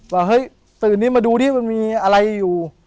ว่าเฮ้ยตื่นนี้มาดูดิมันมีอะไรอยู่